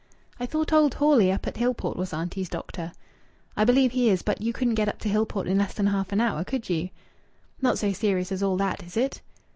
"I thought old Hawley up at Hillport was auntie's doctor." "I believe he is, but you couldn't get up to Hillport in less than half an hour, could you?" "Not so serious as all that, is it?"